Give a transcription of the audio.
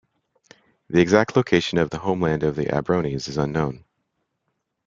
The exact location of the homeland of the Ambrones is unknown.